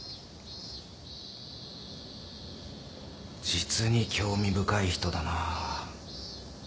実に興味深い人だなあ。